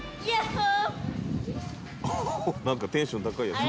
なんかテンション高いヤツ。